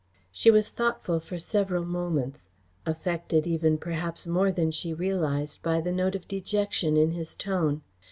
She was thoughtful for several moments, affected even perhaps more than she realised by the note of dejection in his tone.